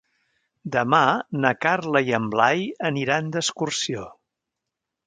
Demà na Carla i en Blai aniran d'excursió.